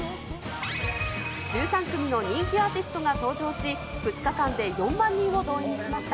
１３組の人気アーティストが登場し、２日間で４万人を動員しました。